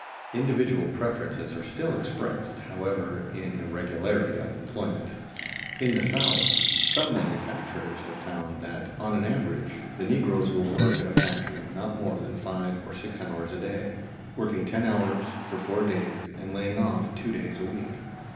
Individual preferences are still expressed, however, in irregularity of employment. In the South some manufacturers have found that on an average the negroes will work in a factory not more than five or six hours a day, working ten hours for four days and lying off two days a week.